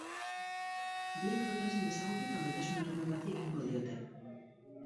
Biak Londresen ezagutu eta maitasun harreman bati ekingo diote.